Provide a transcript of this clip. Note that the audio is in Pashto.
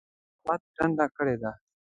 احمد ټنډه کړې ده.